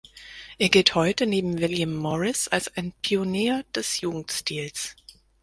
Er gilt heute neben William Morris als ein Pionier des Jugendstils.